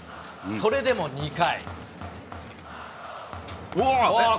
それでも２回。